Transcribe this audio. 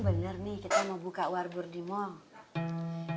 bener nih kita mau buka warbur di mall